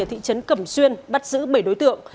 thị trấn cẩm xuyên bắt giữ bảy đối tượng